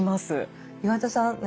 岩田さん